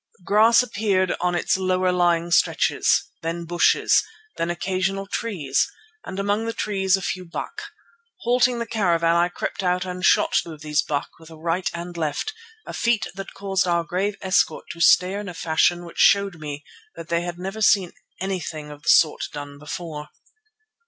Grass appeared on its lower lying stretches, then bushes, then occasional trees and among the trees a few buck. Halting the caravan I crept out and shot two of these buck with a right and left, a feat that caused our grave escort to stare in a fashion which showed me that they had never seen anything of the sort done before.